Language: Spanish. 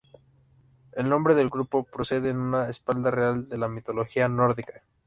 El nombre del grupo procede de una espada real de la mitología nórdica.